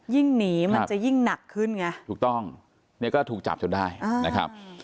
หนีมันจะยิ่งหนักขึ้นไงถูกต้องเนี่ยก็ถูกจับจนได้นะครับ